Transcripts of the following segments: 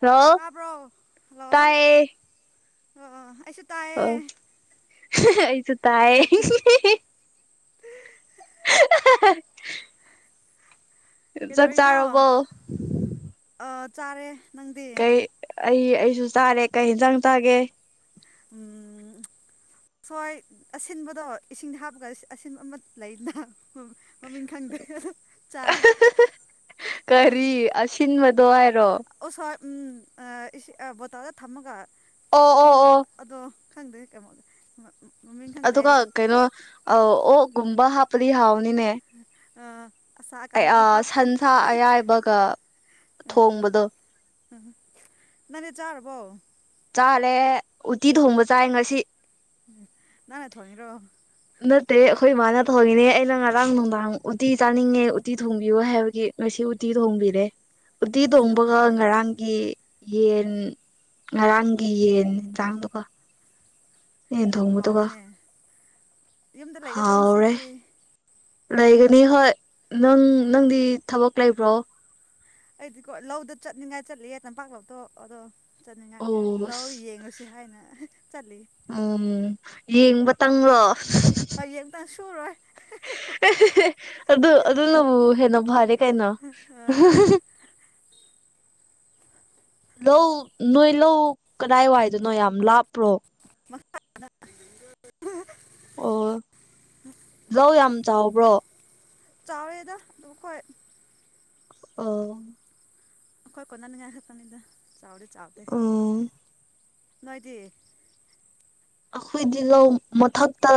Hello ꯇꯥꯕ꯭ꯔꯣ hello ꯑꯣ ꯇꯥꯏꯌꯦ ꯑꯣ ꯑꯩꯁꯨ ꯇꯥꯏ ꯑꯣ ꯑꯩꯁꯨ ꯇꯥꯏꯌꯦ꯫ [unintelligible] ꯆꯥꯛ ꯀꯩꯗꯧꯔꯤꯅꯣ ꯆꯥꯔꯕꯣ ꯑꯥ ꯆꯥꯔꯦ꯫ ꯅꯪꯗꯤ ꯀꯩ ꯑꯩ ꯑꯩꯁꯨ ꯆꯥꯔꯦ ꯀꯩ ꯍꯤꯟꯖꯥꯡ ꯆꯥꯒꯦ꯫ ꯎꯝ ꯍꯣꯏ ꯑꯁꯤꯟꯕꯗꯣ ꯏꯁꯤꯡꯗ ꯍꯥꯞꯄꯒ ꯑꯁꯤꯟꯕ ꯑꯃ ꯂꯩꯅ ꯍꯣꯏ ꯃꯃꯤꯡ ꯈꯪꯗꯦ ꯑꯗꯣ ꯆꯥꯏ ꯀꯔꯤ ꯑꯁꯤꯟꯕꯗꯣ ꯍꯥꯏꯔꯣ ꯑꯣꯁꯋꯥꯏ ꯎꯝ ꯑ ꯏꯁꯤ ꯑ ꯕꯣꯇꯥꯟꯗ ꯊꯝꯃꯒ ꯑꯣ ꯑꯣ ꯇꯤꯡꯒ ꯑꯣ ꯑꯗꯣ ꯈꯪꯗꯦ ꯃꯃꯤꯡ ꯈꯪꯗꯦ ꯑꯩ ꯀꯩꯩꯅꯣ ꯑꯧ ꯑꯣꯛꯀꯨꯝꯕ ꯍꯥꯞꯄꯗꯤ ꯍꯥꯎꯅꯤꯅꯦ ꯑꯥ ꯑꯁꯥ ꯑꯀꯪꯕꯗꯣ ꯍꯥꯞꯇꯦ ꯁꯟꯁꯥ ꯑꯌꯥꯏꯕꯒ ꯑꯥ ꯊꯣꯡꯕꯗꯣ [unintelligible] ꯅꯪꯗꯤ ꯆꯥꯔꯕꯣ ꯆꯥꯂꯦ ꯎꯠꯇꯤ ꯊꯣꯡꯕ ꯆꯥꯏ ꯉꯁꯤ ꯎꯝ ꯅꯪꯅ ꯊꯣꯡꯉꯤꯔꯣ ꯅꯠꯇꯦ ꯑꯩꯈꯣꯏ ꯃꯥꯅ ꯊꯣꯡꯉꯤꯅꯦ ꯑꯩꯅ ꯉꯔꯥꯡ ꯅꯨꯡꯗꯥꯡ ꯎꯇꯤ ꯆꯥꯅꯤꯡꯉꯦ ꯎꯇꯤ ꯊꯣꯡꯕꯤꯌꯨ ꯍꯥꯏꯕꯒꯤ ꯉꯁꯤ ꯎꯇꯤ ꯊꯣꯡꯕꯤꯔꯦ ꯎꯇꯤ ꯑꯁ ꯌꯥꯝ ꯊꯣꯡꯕꯒ ꯐꯩꯅꯦ ꯉꯔꯥꯡꯒꯤ ꯌꯦꯟ ꯉꯔꯥꯡꯒꯤ ꯌꯦꯟ ꯖꯥꯡꯗꯨꯒ ꯌꯦꯟ ꯌꯥꯝ ꯊꯣꯡꯕꯗꯨꯒ ꯍꯥꯎꯋꯦꯅꯦ ꯌꯨꯝꯗ ꯂꯩꯒꯗ꯭ꯔꯣ ꯍꯥꯎꯔꯦ ꯉꯁꯤꯗꯤ ꯂꯩꯒꯅꯤ ꯍꯣꯏ ꯅꯪ ꯅꯪꯗꯤ ꯊꯕꯛ ꯂꯩꯕ꯭ꯔꯣ ꯑꯩꯗꯤꯀꯣ ꯂꯧꯗ ꯆꯠꯅꯤꯡꯉꯥꯏ ꯆꯠꯂꯤꯌꯦ ꯇꯝꯄꯥꯛꯂꯧꯗꯣ ꯑꯗꯣ ꯆꯠꯅꯤꯡꯉꯥꯏ ꯑꯣ ꯂꯧ ꯑꯁ ꯌꯦꯡꯉꯨꯁꯤ ꯍꯥꯏꯅ ꯆꯠꯂꯤ ꯎꯝ ꯌꯦꯡꯕ ꯇꯪꯂꯣ ꯑ ꯌꯦꯡꯇ ꯁꯨꯔꯣꯏ ꯑꯗꯨ ꯑꯗꯨꯅꯕꯨ ꯍꯦꯟꯅ ꯐꯔꯦ ꯀꯩꯅꯣ ꯂꯧ ꯅꯣꯏ ꯂꯧ ꯀꯗꯥꯏꯋꯥꯏꯗꯅꯣ ꯌꯥꯝ ꯂꯥꯞꯄ꯭ꯔꯣ ꯑꯣ ꯂꯧ ꯌꯥꯝ ꯆꯥꯎꯕ꯭ꯔꯣ ꯆꯥꯎꯋꯦꯗ ꯗꯨꯕꯨ ꯈꯣꯏ ꯑꯣ ꯑꯈꯣꯏ ꯀꯣꯟꯅꯅꯤꯡꯉꯥꯏ ꯈꯛꯇꯥꯅꯤꯗ ꯆꯥꯎꯗꯤ ꯆꯥꯎꯗꯦ ꯎꯝ ꯅꯣꯏꯗꯤ ꯑꯈꯣꯏꯗꯤ ꯂꯧ ꯃꯊꯛꯇꯥ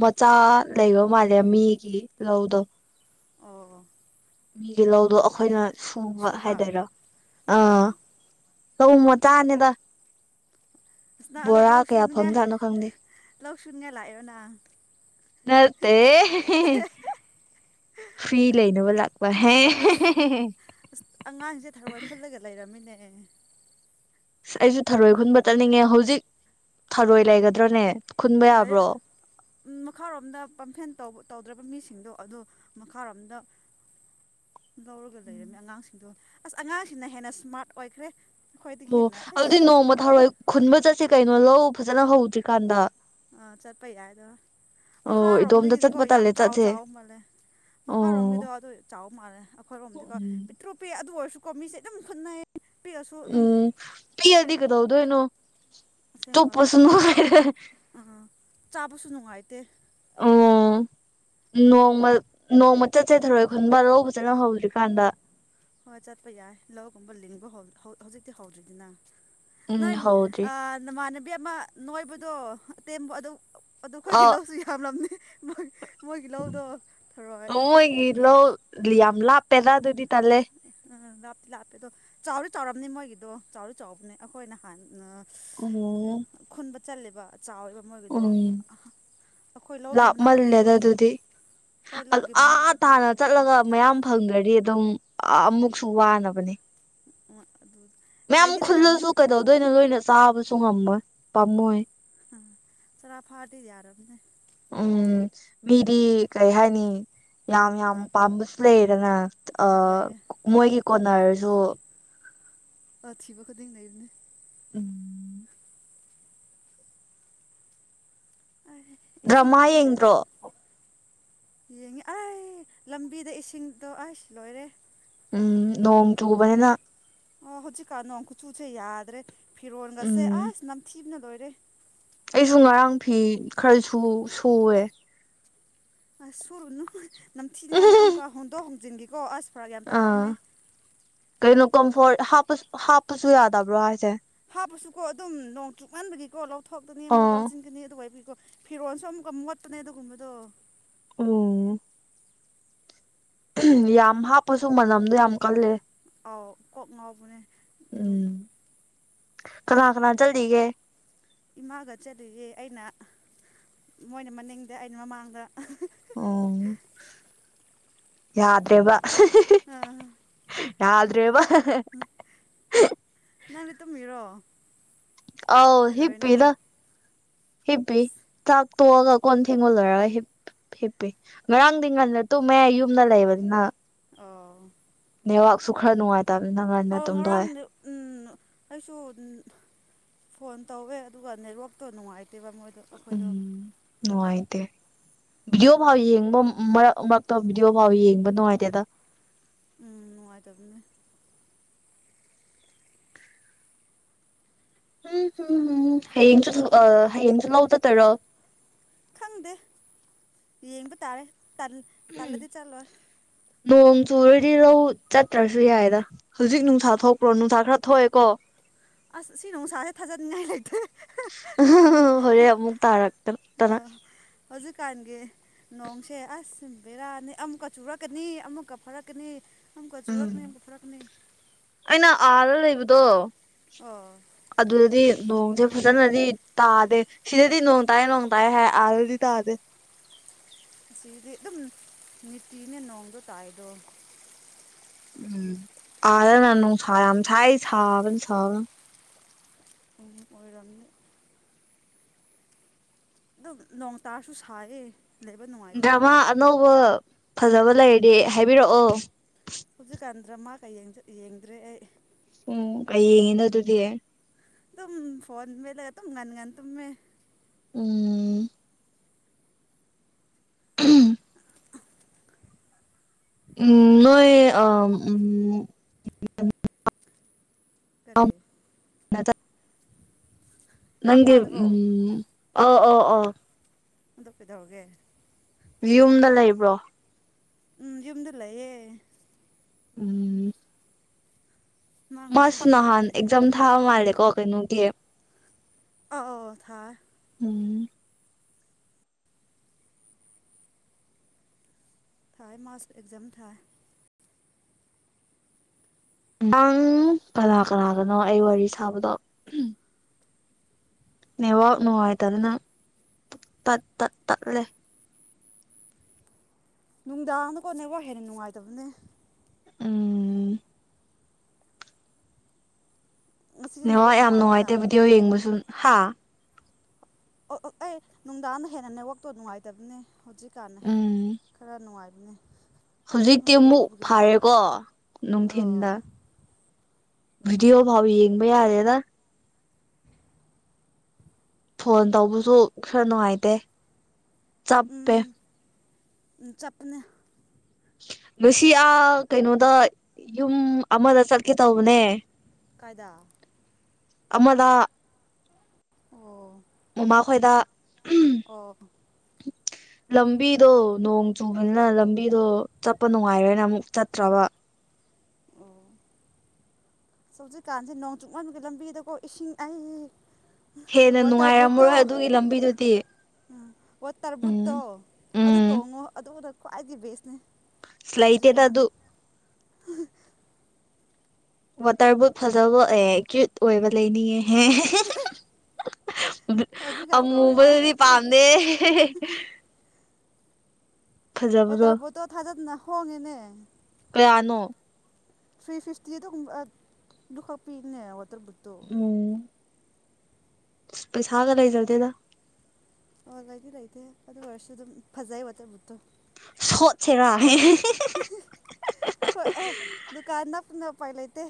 ꯃꯆꯥ ꯂꯩꯕ ꯃꯥꯜꯂꯦ ꯃꯤꯒꯤ ꯂꯧꯗꯣ ꯑꯣ ꯃꯤꯒꯤ ꯂꯧꯗꯣ ꯑꯈꯣꯏꯅ ꯁꯨꯕ ꯍꯥꯏꯗꯣꯏꯔꯣ ꯑꯣ ꯑꯥ ꯂꯧ ꯃꯆꯥꯅꯦꯗ ꯑꯁ ꯅꯪ ꯑꯗꯣ ꯕꯣꯔꯥ ꯂꯧ ꯀꯌꯥ ꯁꯨꯅꯤꯡꯉꯥꯏ ꯐꯪꯖꯥꯠꯅꯣ ꯈꯪꯗꯦ ꯂꯧ ꯁꯨꯅꯤꯉꯥꯏ ꯂꯥꯛꯏꯔꯣ ꯅꯪ ꯅꯠꯇꯦ ꯐ꯭ꯔꯤ ꯂꯩꯅꯕ ꯂꯥꯛ ꯑꯁ [unintelligible] ꯑꯁ ꯑꯉꯥꯡꯖꯦ ꯊꯔꯣꯏ ꯈꯨꯜꯂꯒ ꯂꯩꯔꯝꯃꯤꯅꯦ ꯑꯩꯖꯨ ꯊꯔꯣꯏ ꯈꯨꯟꯕ ꯆꯠꯅꯤꯡꯉꯦ ꯍꯧꯖꯤꯛ ꯊꯔꯣꯏ ꯂꯩꯒꯗ꯭ꯔꯣꯅꯦ ꯂꯩ ꯃꯈꯥꯔꯣꯝꯗ ꯄꯝꯐꯦꯟ ꯇꯧ ꯇꯧꯗ꯭ꯔꯕ ꯃꯤꯁꯤꯡꯗꯣ ꯑꯗꯨ ꯃꯈꯥꯔꯣꯝꯗ [inaudible] ꯂꯧꯔꯒ ꯂꯩꯔꯝꯃꯦ ꯑꯉꯥꯡꯁꯤꯡꯗꯣ ꯑꯁ ꯑꯉꯥꯡꯁꯤꯅ ꯍꯦꯟꯅ ꯁ꯭ꯃꯥꯔꯠ ꯑꯣꯏꯈ꯭ꯔꯦ ꯑꯩꯈꯣꯏꯗꯒꯤ ꯑꯣ ꯍꯦꯟꯅ ꯑꯗꯨꯗꯤ ꯑꯁ ꯅꯣꯡꯃ ꯊꯔꯣꯏ ꯈꯨꯟꯕ ꯆꯠꯁꯦ ꯀꯩꯅꯣ ꯂꯧ ꯐꯖꯅ ꯍꯧꯗ꯭ꯔꯤꯀꯥꯟꯗ ꯑꯥ ꯆꯠꯄ ꯌꯥꯏ ꯑꯣ ꯏꯇꯣꯝꯇ ꯃꯈꯥꯔꯣꯝꯗꯒꯤꯗꯤꯀꯣ ꯆꯠꯄ ꯌꯥꯝ ꯇꯜꯂꯦ ꯆꯥꯎ ꯆꯠꯁꯦ ꯆꯥꯎ ꯃꯥꯜꯂꯦ ꯑꯣ ꯃꯈꯥꯔꯣꯝꯒꯤꯗꯣ ꯑꯗꯨ ꯆꯥꯎꯕ ꯃꯥꯜꯂꯦ ꯑꯩꯈꯣꯏꯔꯣꯝꯗꯤꯀꯣ ꯎꯝ ꯄꯤꯇ꯭ꯔꯨ ꯄꯤ ꯑꯗꯨ ꯑꯣꯏꯔꯁꯨꯀꯣ ꯃꯤꯁꯦ ꯑꯗꯨꯝ ꯈꯨꯠꯅꯩꯌꯦ ꯄꯤꯑꯁꯨ ꯑꯗꯨꯝ ꯄꯤꯑꯗꯤ ꯀꯩꯗꯧꯗꯣꯏꯅꯣ ꯑꯁꯦꯡꯕ ꯇꯨꯞꯄꯁꯨ ꯅꯣꯏꯔꯦ ꯑꯥ ꯆꯥꯕꯁꯨ ꯅꯨꯡꯉꯥꯏꯇꯦ ꯑꯣ ꯅꯣꯡꯃ ꯅꯣꯡꯃ ꯆꯠꯁꯦ ꯊꯧꯔꯣꯏ ꯈꯨꯟꯕ ꯂꯧꯎꯕꯤ ꯐꯖꯅ ꯍꯧꯗ꯭ꯔꯤꯀꯥꯟꯗ ꯍꯣꯏ ꯆꯠꯄ ꯌꯥꯏ ꯂꯧꯒꯨꯝꯕ ꯂꯤꯡꯕ ꯍꯧꯗ꯭ꯔꯤ ꯍꯧꯖꯤꯛꯇꯤ ꯍꯧꯗ꯭ꯔꯤꯗꯅ ꯎꯝ ꯅꯣꯏ ꯍꯧꯗ꯭ꯔꯤ ꯅꯃꯥꯟꯅꯕꯤ ꯑꯃ ꯅꯣꯏꯕꯗꯣ ꯑꯇꯦꯝꯕ ꯑꯗꯨ ꯑꯗꯣ ꯑ ꯑꯩꯈꯣꯏꯒꯤ ꯂꯧꯁꯨ ꯌꯥꯝꯂꯝꯅꯤ ꯃꫭꯏ ꯃꯣꯏꯒꯤ ꯂꯧꯗꯣ ꯊꯔꯣꯏ ꯃꫭꯏꯒꯤ ꯂꯧꯜ ꯂꯤꯌꯥꯝ ꯂꯥꯞꯄꯦꯗꯥ ꯑꯗꯨꯗꯤ ꯇꯜꯂꯦ ꯑ ꯂꯥꯞꯇꯤ ꯂꯥꯞꯄꯦ ꯑꯗꯣ ꯆꯥꯎꯗꯤ ꯆꯥꯎꯔꯝꯅꯤ ꯃꯣꯏꯒꯤꯗꯣ ꯆꯥꯎꯗꯤ ꯆꯥꯎꯕꯅꯦ ꯑꯩꯈꯣꯏ ꯅꯍꯥꯟ ꯑꯍꯣ ꯈꯨꯟꯕ ꯆꯠꯂꯦꯕ ꯆꯥꯎꯋꯦꯕ ꯃꯣꯏꯒꯤꯗꯣ ꯎꯝ ꯑꯩꯈꯣꯏ ꯂꯧꯒꯤ ꯃꯅꯥꯛꯇꯗꯤꯀꯣ ꯂꯥꯞꯃꯜꯂꯦꯗ ꯑꯗꯨꯗꯤ ꯑꯩꯈꯣꯏ ꯂꯧꯒꯤ ꯑꯥꯥ ꯃꯅꯥꯛꯇꯗꯤ ꯇꯥꯟꯅ ꯌꯥꯗꯦ ꯆꯠꯂꯒ ꯃꯌꯥꯝ ꯐꯪꯗ꯭ꯔꯗꯤ ꯑꯗꯨꯝ ꯑꯃꯨꯛꯁꯨ ꯋꯥꯅꯕꯅꯦ [unintelligible] ꯃꯌꯥꯝ ꯂꯩꯔꯝꯅꯤ ꯈꯨꯜꯂꯁꯨ ꯀꯩꯗꯧꯗꯣꯏꯅꯣ ꯂꯣꯏꯅ ꯆꯥꯕꯁꯨ ꯉꯝꯃꯣꯏ ꯄꯥꯝꯃꯨꯏ ꯍꯥ ꯆꯔꯥ ꯐꯥꯔꯥꯗꯤ ꯌꯥꯔꯝꯅꯦ ꯎꯝ ꯃꯤꯗꯤ ꯀꯩ ꯍꯥꯏꯅꯤ ꯌꯥꯝ ꯌꯥꯝ ꯄꯥꯝꯕꯁꯨ ꯂꯩꯌꯦꯗꯅ ꯑꯥ ꯃꯣꯏꯒꯤ ꯀꯣꯟꯅꯔꯁꯨ ꯑꯊꯤꯕ ꯈꯨꯗꯤꯡ ꯂꯩꯕꯅꯦ ꯎꯝ ꯑꯩ ꯏꯁꯤꯡ ꯗ꯭ꯔꯃꯥ ꯑꯩ ꯌꯦꯡꯗ꯭ꯔꯣ ꯌꯦꯡꯉꯤ ꯑꯩ ꯂꯝꯕꯤꯗ ꯏꯁꯤꯡꯗꯣ ꯑꯩꯁ ꯂꯣꯏꯔꯦ ꯎꯝ ꯅꯣꯡ ꯆꯨꯕꯅꯦꯅ ꯑꯣ ꯍꯧꯖꯤꯛꯀꯥꯟ ꯅꯣꯡ ꯀꯨꯆꯨꯁꯦ ꯌꯥꯗ꯭ꯔꯦ ꯐꯤꯔꯣꯟꯒꯁꯦ ꯎꯝ ꯑꯁ ꯅꯝꯊꯤꯕꯅ ꯂꯣꯏꯔꯦ ꯑꯩꯁꯨ ꯉꯔꯥꯡ ꯐꯤ ꯈ꯭ꯔꯁꯨ ꯁꯨꯑꯦ ꯑꯁ ꯁꯨꯔꯨꯅꯨ ꯅꯝꯊꯤꯅꯤꯡꯉꯥꯏꯅꯤ ꯑꯃꯨꯛꯀ ꯍꯣꯡꯗꯣꯛ ꯍꯣꯡꯖꯤꯟꯒꯤꯀꯣ ꯑꯁ ꯐꯔꯛ ꯌꯥꯝ ꯑꯥ ꯇꯥꯕꯅꯦ ꯀꯩꯅꯣ ꯀꯝꯐꯣꯔꯠ ꯍꯥꯞꯄꯁ ꯍꯥꯞꯄꯁꯨ ꯌꯥꯗꯕ꯭ꯔꯣ ꯍꯥꯏꯁꯦ ꯍꯥꯞꯄꯁꯨꯀꯣ ꯑꯗꯨꯝ ꯅꯣꯡ ꯆꯨꯛꯃꯟꯕꯒꯤꯀꯣ ꯂꯧꯊꯣꯛꯇꯅꯤ ꯑꯃꯨꯛ ꯑꯥ ꯂꯧꯖꯤꯟꯒꯅꯤ ꯑꯗꯨ ꯑꫭꯏꯕꯩ ꯀꯣ ꯐꯤꯔꯣꯟꯁꯨ ꯑꯃꯨꯛꯀ ꯃꯣꯠꯄꯅꯦ ꯑꯗꯨꯒꯨꯝꯕꯗꯣ ꯑꯣ ꯌꯥꯝ ꯍꯥꯞꯄꯁꯨ ꯃꯅꯝꯗꯣ ꯌꯥꯝ ꯀꯜꯂꯦ ꯑꯥꯎ ꯀꯣꯛ ꯉꯥꯎꯕꯅꯦ ꯑꯗꯨꯝ ꯎꯝ ꯀꯅꯥ ꯀꯅꯥ ꯆꯠꯂꯤꯒꯦ ꯏꯃꯥꯒ ꯆꯠꯂꯤꯌꯦ ꯑꯩꯅ ꯃꯣꯏꯅ ꯃꯅꯤꯡꯗ ꯑꯩꯅ ꯃꯃꯥꯡꯗ ꯑꯣ ꯌꯥꯗ꯭ꯔꯦꯕ ꯑ ꯌꯥꯗ꯭ꯔꯦꯕꯥ ꯅꯪꯗꯤ ꯇꯨꯝꯃꯤꯔꯣ ꯑꯧ ꯀꯩꯗꯧꯔꯤꯅꯣ ꯍꯤꯞꯄꯤꯗ ꯍꯤꯞꯄꯤ ꯑꯁ ꯆꯥꯛ ꯇꯣꯛꯑꯒ ꯀꯣꯟ ꯐꯦꯡꯕ ꯂꯣꯏꯔꯒ ꯍꯤꯞ ꯍꯤꯞꯄꯤ ꯉꯔꯥꯡꯗꯤ ꯉꯜꯅ ꯇꯨꯝꯃꯦ ꯌꯨꯝꯗ ꯂꯩꯕꯅꯤꯅ ꯑꯣ ꯅꯦꯠꯋꯥꯔꯛꯁꯨ ꯈꯔ ꯅꯨꯡꯉꯥꯏ ꯇꯝꯅꯤꯅ ꯑꯧ ꯉꯔꯥꯡ ꯎꯝ ꯑꯩꯁꯨ ꯐꯣꯟ ꯇꯧꯋꯦ ꯑꯗꯨꯒ ꯅꯦꯠꯋꯥꯛꯇꯣ ꯅꯨꯡꯉꯥꯏꯇꯦꯕ ꯃꯣꯏ ꯎꯝ ꯅꯨꯡꯉꯥꯏꯇꯦ ꯚꯤꯗꯤꯑꯣ ꯐꯥꯎ ꯌꯦꯡꯕ ꯃꯔꯛ ꯃꯔꯛꯇ ꯚꯤꯗꯤꯑꯣꯐꯥꯎ ꯌꯦꯡꯕ ꯅꯨꯡꯉꯥꯏꯇꯦꯗ ꯎꯝ ꯅꯨꯡꯉꯥꯏꯇꯕꯅꯦ ꯍꯌꯦꯡꯁꯨ ꯑꯥ ꯍꯌꯦꯡꯁꯨ ꯂꯧ ꯆꯠꯇꯣꯏꯔꯣ ꯈꯪꯗꯦ ꯌꯦꯡꯕ ꯇꯥꯔꯦ ꯇꯜ ꯇꯜꯂꯗꯤ ꯆꯠꯂꯣꯏ ꯅꯣꯡ ꯆꯨꯔꯗꯤ ꯔꯧ ꯆꯠꯇ꯭ꯔꯁꯨ ꯌꯥꯏꯗ ꯍꯧꯖꯤꯛ ꯅꯨꯡꯁꯥ ꯊꯣꯛꯄ꯭ꯔꯣ ꯅꯨꯡꯁꯥ ꯈꯔ ꯊꯣꯛꯑꯦꯀꯣ ꯑꯁ ꯁꯤ ꯅꯨꯡꯁꯥꯁꯦ ꯊꯥꯖꯅꯤꯡꯉꯥꯏ ꯂꯩꯇꯦ ꯍꯣꯔꯦꯟ ꯑꯃꯨꯛ ꯇꯥꯔꯛꯇ ꯇꯅ ꯑꯥ ꯍꯧꯖꯤꯛꯀꯥꯟꯒꯤ ꯅꯣꯡꯁꯦ ꯑꯁ ꯕꯦꯔꯥꯅꯤ ꯑꯃꯨꯛꯀ ꯆꯨꯔꯛꯀꯅꯤ ꯑꯃꯨꯛꯀ ꯐꯥꯔꯛꯀꯅꯤ ꯎꯝ [unintelligible] ꯑꯩꯅ ꯑꯥꯗ ꯂꯩꯕꯗꯣ ꯑꯣ ꯑꯗꯨꯗꯗꯤ ꯅꯣꯡꯖꯦ ꯐꯖꯅꯗꯤ ꯇꯥꯗꯦ ꯁꯤꯗꯗꯤ ꯅꯣꯡꯇꯥꯏ ꯅꯣꯡꯇꯥꯏ ꯍꯥꯏ ꯑꯥꯗꯗꯤ ꯇꯥꯗꯦ ꯑꯁꯤꯗꯤ ꯑꯗꯨꯝ ꯅꯤꯇꯅꯦ ꯅꯣꯡꯗꯣ ꯇꯥꯏꯗꯣ ꯎꯝ ꯑꯥꯗꯅ ꯅꯣꯡꯁꯥ ꯌꯥꯝ ꯁꯥꯌꯦ ꯁꯥꯕꯅ ꯁꯥꯕꯅ ꯎꯝ ꯑꯣꯏꯔꯝꯃꯤ ꯑꯗꯨꯝ ꯅꯣꯡ ꯇꯥꯔꯁꯨ ꯁꯥꯏꯌꯦ ꯂꯩꯕ ꯅꯨꯡꯉꯥꯏꯇꯦ ꯗ꯭ꯔꯥꯃꯥ ꯑꯅꯧꯕ ꯐꯖꯕ ꯂꯩꯔꯗꯤ ꯍꯥꯏꯕꯤꯔꯛꯑꯣ ꯍꯧꯖꯤꯛꯀꯥꯟ ꯗ꯭ꯔꯃꯥꯀ ꯌꯦꯡꯖ ꯌꯦꯡꯗ꯭ꯔꯦ ꯑꯩ ꯎꯝ ꯀꯩ ꯌꯦꯡꯉꯤꯅꯣ ꯑꯗꯨꯗꯤ ꯗꯨꯝ ꯐꯣꯟ ꯃꯦꯠꯂꯒ ꯇꯨꯝ ꯉꯟ ꯉꯟ ꯇꯨꯝꯃꯦ ꯎꯝ ꯎꯝ ꯅꯣꯏ ꯑ [inaudible] ꯎꯝ ꯀꯔꯤ ꯅꯪꯒꯤ ꯏꯅꯥꯎꯅꯨꯄꯥꯗꯨꯔꯣ ꯎꯝ ꯑꯣ ꯑꯣ ꯑꯣ ꯑꯗꯨ ꯀꯩꯗꯧꯔꯒꯦ ꯌꯨꯝꯗ ꯂꯩꯕ꯭ꯔꯣ ꯎꯝ ꯌꯨꯝꯗ ꯂꯩꯌꯦ ꯎꯝ ꯃꯥ ꯉꯁꯤ ꯃꯁ ꯗ꯭ꯌꯨꯇꯤ ꯅꯍꯥꯟ ꯑꯦꯖꯝ ꯊꯥꯕ ꯃꯥꯂꯦꯀꯣ ꯀꯩꯅꯣꯒꯤ ꯑꯥꯎ ꯊꯥ ꯎꯝ ꯊꯥꯏ ꯃꯥꯁ ꯑꯦꯛꯖꯝ ꯊꯥꯏ ꯑꯥꯡ ꯀꯅꯥ ꯀꯅꯥꯒꯅꯣ ꯑꯩ ꯋꯥꯔꯤ ꯁꯥꯕꯗꯣ ꯅꯦꯋꯥꯛ ꯅꯨꯡꯉꯥꯏꯇꯗꯅ ꯇꯠ ꯇꯠ ꯇꯠꯂꯦ ꯅꯨꯡꯗꯥꯡꯗꯀꯣꯠ ꯅꯦꯋꯥꯛ ꯍꯦꯟꯅ ꯅꯨꯡꯉꯥꯏꯇꯕꯅꯦ ꯎꯝ ꯉꯁꯤꯗꯤ ꯅꯦꯋꯥꯛ ꯅꯦꯠꯋꯥꯛ ꯌꯥꯝ ꯅꯨꯡꯉꯥꯏꯗꯅ ꯅꯨꯡꯉꯥꯏꯇꯦ ꯚꯤꯗꯤꯑꯣ ꯌꯦꯡꯕꯁꯨ ꯍꯥ ꯑꯣ ꯑꯩ ꯅꯨꯡꯗꯥꯡꯗ ꯍꯦꯟꯅ ꯅꯦꯠꯋꯥꯛ ꯇꯣ ꯅꯨꯡꯉꯥꯏꯇꯕꯅꯦ ꯍꯧꯖꯤꯛꯀꯥꯟꯅꯦ ꯎꯝ ꯈꯔ ꯅꯨꯡꯉꯥꯏꯕꯅꯦ ꯍꯧꯖꯤꯛꯇꯤ ꯈꯪꯗꯦ ꯑꯃꯨꯛ ꯀꯩꯗꯧꯕꯒꯤꯔ ꯐꯔꯦꯀꯣ ꯑꯣ ꯅꯨꯡꯊꯤꯟꯗ ꯚꯤꯗꯤꯑꯣꯐꯥꯎ ꯌꯦꯡꯕ ꯌꯥꯗꯦꯗ ꯐꯣꯟ ꯇꯧꯕꯁꯨ ꯈꯔ ꯅꯨꯡꯉꯥꯏꯇꯦ ꯆꯞꯄꯦ ꯎꯝ ꯎꯝ ꯆꯞꯄꯅꯦ ꯉꯁꯤ ꯑꯥ ꯀꯩꯅꯣꯗ ꯌꯨꯝ ꯑꯃꯗ ꯆꯠꯀꯦ ꯇꯧꯕꯅꯦ ꯀꯥꯏꯗ ꯑꯃꯗ ꯑꯣ ꯃꯃꯥ ꯈꯣꯏꯗ ꯑꯣ ꯂꯝꯕꯤꯗꯣ ꯅꯣꯡ ꯆꯨꯕꯅꯤꯅ ꯂꯝꯕꯤꯗꯣ ꯆꯠꯄ ꯅꯨꯡꯉꯥꯏꯔꯣꯏꯅ ꯑꯃꯨꯛ ꯆꯠꯇ꯭ꯔꯕ ꯑꯣ ꯍꯧꯖꯤꯛꯀꯥꯟꯁꯦ ꯅꯣꯡ [unintelligible] ꯂꯝꯕꯤꯗꯀꯣ ꯏꯁꯤꯡ ꯑꯩ ꯍꯦꯟꯅ ꯋꯥꯇꯔꯕꯨꯠꯇꯣ ꯅꯨꯡꯉꯥꯏꯔꯝꯃꯔꯣꯏ ꯑꯗꯨꯒꯤ ꯂꯝꯕꯤꯗꯨꯗꯤ ꯎꯝ ꯎꯝ ꯋꯥꯠꯇꯔꯕꯨꯠꯇꯣ ꯑꯗꯨ ꯎꯝ ꯇꯣꯡꯉꯣ ꯑꯗꯨꯗ ꯈ꯭ꯋꯥꯏꯒꯤ ꯕꯦꯁꯅꯤ ꯑꯁ ꯂꯩꯇꯦꯗ ꯍꯧꯖꯤꯛꯀꯥꯟ ꯑꯗꯨ ꯋꯥꯇꯔꯕꯨꯠ ꯐꯖꯕ ꯑꯦ ꯀ꯭ꯌꯨꯠ ꯑꯣꯏꯕ ꯂꯩꯅꯤꯡꯉꯦꯍꯦ ꯕꯨꯠ ꯍꯧꯖꯤꯛꯀꯥꯟ ꯇꯧꯅꯤꯡꯉꯥꯏ ꯑꯃꯨꯕꯗꯨꯗꯤ ꯄꯥꯝꯗꯦ ꯐꯖꯕꯗꯣ ꯋꯥꯇꯔꯕꯣꯠꯇꯣ ꯊꯥꯖꯗꯅ ꯍꯣꯡꯉꯦꯅꯦ ꯀꯌꯥꯅꯣ ꯊ꯭ꯔꯤ ꯐꯤꯐꯇꯤꯗ ꯒꯨꯝ ꯗꯨ ꯈꯛꯄꯤꯕꯅꯦ ꯋꯥꯇꯔꯕꯨꯠꯇꯣ ꯎꯝ ꯄꯩꯁꯥꯒ ꯂꯩꯖꯗꯦꯗ ꯑꯣ ꯂꯩꯗꯤ ꯂꯩꯇꯦ ꯑꯗꯨ ꯑꯣꯏꯔꯁꯨ ꯑꯗꯨꯝ ꯐꯖꯩ ꯋꯥꯇꯔ ꯕꯨꯠꯇꯣ ꯁꯣꯠꯁꯦꯔꯥ ꯈꯣꯏ ꯑꯦ ꯗꯨꯀꯥꯟ ꯅꯛꯄꯅ ꯎꯄꯥꯏ ꯂꯩꯇꯦ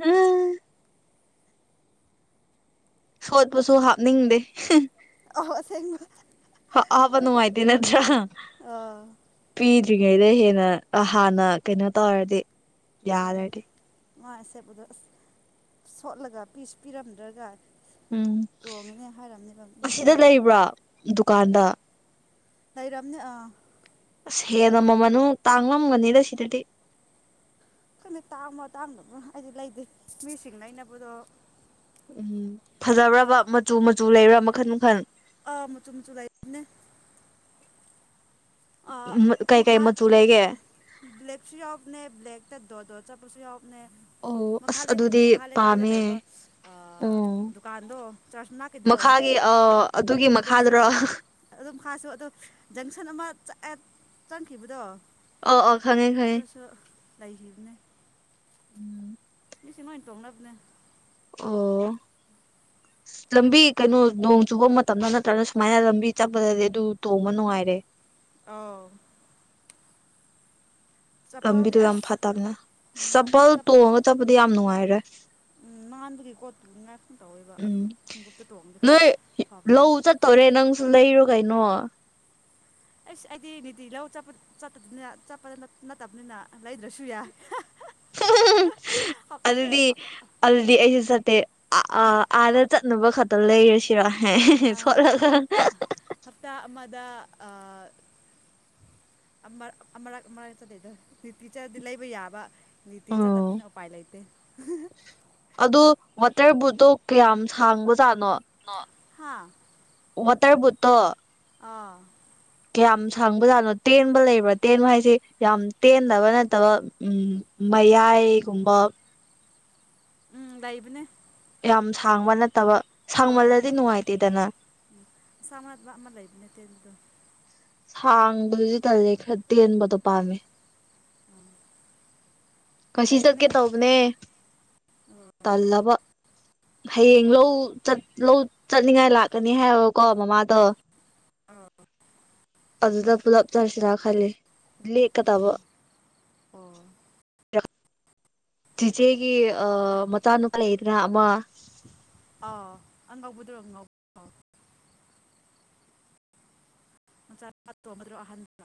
ꯎꯝ ꯁꯣꯠꯄꯁꯨ ꯍꯥꯞꯅꯤꯡꯗꯦ ꯑꯣ ꯑꯁꯦꯡꯕ ꯍꯥꯞꯄ ꯅꯨꯡꯉꯥꯏꯇꯦ ꯅꯠꯇ꯭ꯔꯥ ꯑꯥ ꯄꯤꯗ꯭ꯔꯤꯉꯩꯗ ꯍꯦꯟꯅ ꯍꯥꯟꯅ ꯀꯩꯅꯣ ꯇꯧꯔꯗꯤ ꯌꯥꯔꯗꯤ ꯉꯥꯏ ꯁꯦꯄꯗ ꯑꯁ ꯁꯣꯠꯂꯒ ꯄꯤꯁ ꯄꯤꯔꯝꯗ꯭ꯔꯒ ꯎꯝ ꯇꯣꯡꯉꯦꯅꯦ ꯍꯥꯏꯔꯝꯅꯦꯕ ꯃꯤꯗ [unintelligible] ꯗꯨꯀꯥꯟꯗ ꯂꯩꯔꯝꯅꯤ ꯑꯥ ꯑꯁ ꯍꯦꯟꯅ ꯃꯃꯜ ꯃꯨꯛ ꯇꯥꯡꯉꯝꯒꯅꯤꯗ ꯁꯤꯗꯗꯤ ꯈꯪꯗꯦ ꯇꯥꯡꯕ꯭ꯔꯥ ꯇꯥꯡꯗꯕ꯭ꯔꯥ ꯑꯩꯗꯤ ꯂꯩꯗꯦ ꯃꯤꯁꯤꯡ ꯂꯩꯕꯗꯣ ꯎꯝ ꯐꯖꯕ꯭ꯔꯕ ꯃꯆꯨ ꯃꯆꯨ ꯂꯩꯕ꯭ꯔꯥ ꯃꯈꯟ ꯃꯈꯟ ꯑꯥ ꯃꯆꯨ ꯃꯨꯆꯨ ꯂꯩꯥꯅꯦ ꯑ ꯀꯩꯀꯩ ꯃꯈꯥ ꯃꯆꯨ ꯂꯩꯒꯦ ꯕ꯭ꯂꯦꯛꯁꯨ ꯌꯥꯎꯕꯅꯦ ꯕ꯭ꯂꯦꯛꯇ ꯗꯣꯠ ꯗꯣꯠ ꯆꯠꯄꯁꯨ ꯌꯥꯎꯕꯅꯦ ꯑꯣ ꯃꯈꯥ ꯑꯁ ꯂꯩ ꯑꯗꯨꯗꯤ ꯃꯈꯥ ꯂꯩꯀꯥꯏꯗ ꯄꯥꯝꯃꯦ ꯂꯩꯕ ꯑꯣ ꯗꯨꯀꯥꯟꯗꯣ ꯆꯥꯔꯆ ꯃꯅꯥꯛꯀꯤꯗꯣ ꯃꯈꯥꯒꯤ ꯑ ꯑꯗꯨꯒꯤ ꯑꯗꯨꯁꯨ ꯃꯈꯥꯗꯨꯔꯣ ꯑꯗꯨꯝ ꯈꯥꯔꯁꯨ ꯑꯗꯣ ꯖꯪꯁꯟ ꯑꯃ ꯆꯪꯈꯤꯕꯗꯣ ꯑ ꯑ ꯈꯪꯉꯦ ꯈꯪꯉꯦ ꯑꯗꯨꯁꯨ ꯂꯩꯈꯤꯕꯅꯦ ꯎꯝ ꯃꯤꯁꯤꯡ ꯂꫭꯏꯟ ꯇꯣꯡꯅꯕꯅꯦ ꯑꯣ ꯂꯝꯕꯤ ꯀꯩꯅꯣ ꯅꯣꯡ ꯆꯨꯕ ꯃꯇꯝꯗ ꯅꯠꯇ꯭ꯔꯒꯅ ꯁꯨꯃꯥꯏꯅ ꯂꯝꯕꯤ ꯆꯠꯄꯗꯗꯤ ꯑꯗꯨ ꯇꯣꯡꯕ ꯅꯨꯡꯉꯥꯏꯔꯦ ꯑꯥꯎ ꯆꯄꯜꯗꯤ ꯂꯝꯕꯤꯗꯣ ꯌꯥꯝ ꯑꯁ ꯐꯠꯇꯕꯅ ꯎꯝ ꯆꯄꯜ ꯆꯞ ꯇꯣꯡꯉꯒ ꯆꯠꯄꯗꯤ ꯌꯥꯝ ꯅꯨꯡꯉꯥꯏꯔꯦ ꯎꯝ ꯅꯥꯟꯕꯒꯤꯀꯣ ꯇꯨꯅꯤꯉꯥꯏ ꯗꯨꯝ ꯇꯧꯋꯦꯕ ꯑꯗꯨ ꯎꯝ ꯈꯣꯡꯒꯨꯞꯇꫭ ꯇꯣꯡꯗꯤ ꯈꯔ ꯅꯣꯏ ꯐꯥꯕ ꯂꯧ ꯆꯠꯇꯧꯔꯦ ꯅꯪꯁꯨ ꯂꯩꯔꯣ ꯀꯩꯅꯣ ꯑꯩꯁ ꯑꯩꯗꯤ ꯅꯤꯇꯤ ꯂꯧ ꯆꯠꯄ ꯆꯠꯇꯄꯅꯤꯅ ꯆꯠꯄ ꯅꯠꯇꯕꯅꯤꯅ ꯂꯩꯗ꯭ꯔꯁꯨ ꯌꯥꯏ ꯍꯞ ꯑꯗꯨꯗꯤ ꯑꯗꯨꯗꯤ ꯑꯩꯁꯨ ꯆꯠꯇꯦ ꯑ ꯑꯥꯗꯥ ꯆꯠꯅꯕ ꯈꯛꯇ ꯂꯩꯔꯁꯤꯔꯣ ꯑꯥ ꯁꯣꯠꯂꯒ ꯍꯞꯇꯥ ꯑꯃꯗ ꯑ ꯑꯃꯛ ꯑꯃꯔꯛ ꯑꯃꯔꯛ ꯆꯇꯦꯗ ꯅꯤꯇꯤ ꯆꯠꯂꯗꯤ ꯂꯩꯕ ꯌꯥꯕ ꯅꯤꯇꯤ ꯎꯝ ꯆꯥꯠꯇꯕꯅꯤꯅ ꯎꯄꯥꯥꯏ ꯂꯩꯇꯦ ꯑꯗꯨ ꯋꯥꯇꯔ ꯕꯨꯠꯇꯣ ꯀꯌꯥꯝ ꯁꯥꯡꯕ ꯖꯥꯠꯅꯣ ꯍꯥꯥ ꯋꯥꯇꯔ ꯕꯨꯠꯇꫭ ꯑꯥ ꯀꯌꯥꯝ ꯁꯪꯕ ꯖꯥꯠꯅꯣ ꯇꯦꯟꯕ ꯂꯩꯕ꯭ꯔꯥ ꯇꯦꯟꯕ ꯍꯥꯏꯁꯦ ꯌꯥꯝ ꯇꯦꯟꯗꯕ ꯅꯠꯇꯕ ꯎꯝ ꯃꯌꯥꯏꯒꯨꯝꯕ ꯎꯝ ꯂꯩꯏꯕꯅꯦ ꯌꯥꯝ ꯁꯥꯡꯕ ꯅꯠꯇꯕ ꯑꫭꯏ ꯁꯥꯡꯃꯜꯂꯗꯤ ꯅꯨꯡꯉꯥꯏꯇꯦꯗꯅ ꯑꯁꯥꯡꯕ ꯅꯠꯇꯕ ꯑꯃ ꯂꯩꯕꯅꯦ ꯇꯦꯟꯕꯗꯣ ꯁꯥꯡꯕꯗꯨꯗꯤ ꯇꯜꯂꯦ ꯈꯔ ꯇꯦꯟꯕꯗꯣ ꯄꯥꯝꯃꯦ ꯎꯝ ꯉꯁꯤ ꯆꯠꯀꯦ ꯇꯧꯕꯅꯦ ꯇꯜꯂꯕ ꯍꯌꯦꯡ ꯂꯧ ꯆꯠ ꯂꯧ ꯆꯠꯅꯤꯡꯉꯥꯏ ꯂꯥꯛꯀꯅꯤ ꯍꯥꯏꯕꯀꯣ ꯃꯃꯥꯗꯣ ꯑꯥ ꯑꯗꯨꯗ ꯄꯨꯂꯞ ꯆꯠꯁꯤꯔ ꯈꯜꯂꯤ ꯂꯦꯛꯀꯗꯕ ꯑꯣ ꯆꯤꯆꯦꯒꯤ ꯃꯆꯥ ꯅꯨꯄꯥ ꯂꯩꯗꯅ ꯑꯃ ꯑꯥꯎ ꯑꯅꯧꯕꯗꯨꯔꯣ ꯉꯧꯕꯗꯨ ꯃꯆꯥ ꯅꯨꯄꯥ ꯑꯇꯣꯝꯕꯗꯨꯔꯣ ꯑꯍꯟꯗꯨꯔꯣ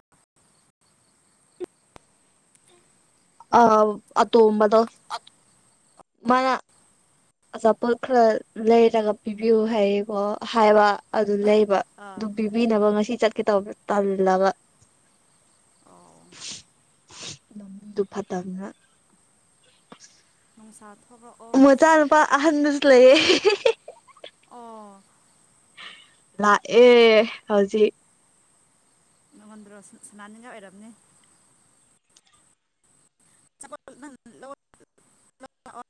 ꯑꯧ ꯑꯇꯣꯝꯕꯗꯨ [unintelligible] ꯃꯥꯅ ꯑꯆꯥꯄꯣꯠ ꯈꯔ ꯂꯩꯔꯒ ꯄꯤꯕꯤꯌꯨ ꯍꯥꯏꯌꯦꯀꯣ ꯍꯥꯏꯕ ꯑꯗꯨ ꯂꯩꯕ ꯑꯥ ꯑꯗꯨ ꯄꯤꯕꯤꯅꯕ ꯉꯁꯤ ꯆꯠꯀꯦ ꯇꯧꯕ ꯇꯜꯂꯕ ꯑꯣ ꯂꯝꯕꯤꯗꯨ ꯐꯠꯇꯕꯅꯤꯅ [inaudible] ꯅꯨꯡꯁꯥ ꯊꯣꯛꯔꯣꯛ ꯃꯆꯥꯅꯨꯄꯥ ꯑꯍꯟꯗꯨꯁꯨ ꯂꯩꯌꯦ [unintelligible] ꯑꯣ ꯂꯥꯛꯑꯦ ꯍꯧꯖꯤꯛ ꯅꯪꯉꯣꯟꯗꯔꯣ ꯁꯅꯥꯅꯤꯡꯉꯥꯏ ꯑꯣꯏꯔꯝꯒꯅꯤ ꯆꯄꯣꯠ ꯅꯪ ꯂꯧ ꯂꯥꯛꯑꯣ